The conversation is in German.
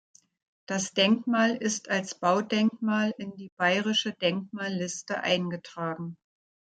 Das Denkmal ist als Baudenkmal in die Bayerische Denkmalliste eingetragen.